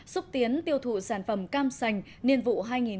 xúc tiến tiêu thụ sản phẩm cam xanh niên vụ hai nghìn một mươi sáu hai nghìn một mươi bảy